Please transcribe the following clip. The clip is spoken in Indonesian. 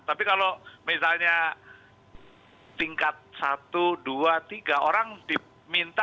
tapi kalau misalnya tingkat satu dua tiga orang diminta